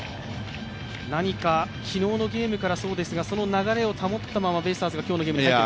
何か昨日のゲームからそうですが、その流れを保ったままベイスターズが今日のゲームで。